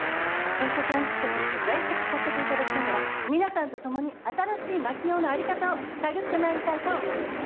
図書館司書として在籍させていただきながら皆さんと共に新しい槙尾の在り方を探ってまいりたいと思います。